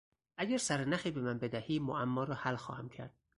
اگر سرنخی به من بدهی معما را حل خواهم کرد.